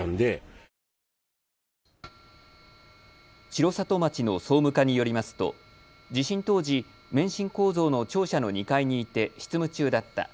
城里町の総務課によりますと地震当時、免震構造の庁舎の２階にいて執務中だった。